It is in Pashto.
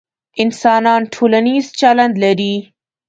انسانان ټولنیز چلند لري،